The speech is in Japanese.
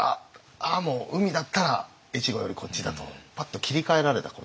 もう海だったら越後よりこっちだとパッと切り替えられたこと。